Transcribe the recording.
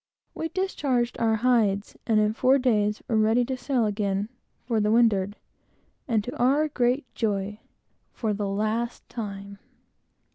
We discharged our hides, and in four days were ready to sail again for the windward; and, to our great joy for the last time!